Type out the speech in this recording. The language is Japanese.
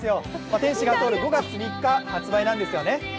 「天使が通る」５月３日発売なんですよね？